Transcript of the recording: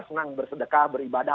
senang bersedekah beribadah